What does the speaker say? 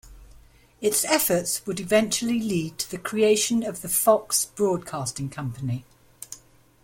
Its efforts would eventually lead to the creation of the Fox Broadcasting Company.